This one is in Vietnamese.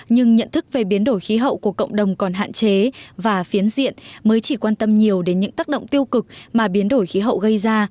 nhưng nhận thức về biến đổi khí hậu của cộng đồng còn hạn chế và phiến diện mới chỉ quan tâm nhiều đến những tác động tiêu cực mà biến đổi khí hậu gây ra